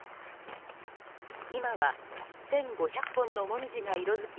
今は１５００本のモミジが色づき